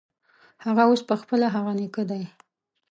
هغه اوس پخپله هغه نیکه دی.